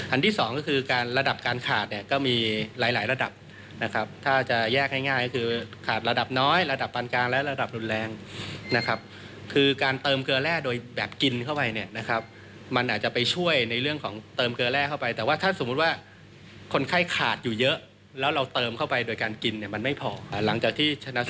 ที่สองก็คือการระดับการขาดเนี่ยก็มีหลายหลายระดับนะครับถ้าจะแยกง่ายก็คือขาดระดับน้อยระดับปานกลางและระดับรุนแรงนะครับคือการเติมเกลือแร่โดยแบบกินเข้าไปเนี่ยนะครับมันอาจจะไปช่วยในเรื่องของเติมเกลือแร่เข้าไปแต่ว่าถ้าสมมุติว่าคนไข้ขาดอยู่เยอะแล้วเราเติมเข้าไปโดยการกินเนี่ยมันไม่พอหลังจากที่ชนะ